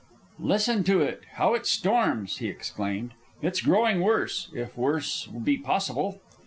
"Listen to it! How it storms!" he exclaimed. "It's growing worse, if worse be possible."